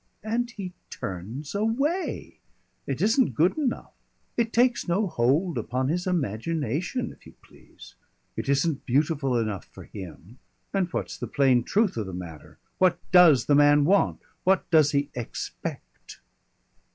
And he turns away. It isn't good enough. It takes no hold upon his imagination, if you please. It isn't beautiful enough for him, and that's the plain truth of the matter. What does the man want? What does he expect?..."